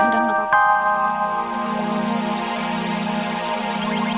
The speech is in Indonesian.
kita buka belakang